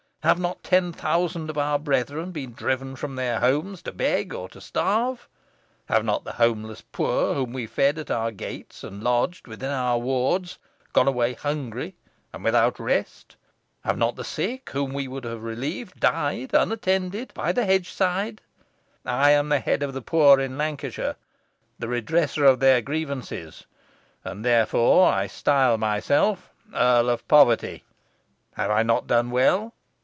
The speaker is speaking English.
Have not ten thousand of our brethren been driven from their homes to beg or to starve? Have not the houseless poor, whom we fed at our gates, and lodged within our wards, gone away hungry and without rest? Have not the sick, whom we would have relieved, died untended by the hedge side? I am the head of the poor in Lancashire, the redresser of their grievances, and therefore I style myself Earl of Poverty. Have I not done well?"